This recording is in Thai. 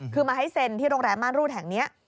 คือมาให้เซ็นที่โรงแรมม่านรูดแห่งนี้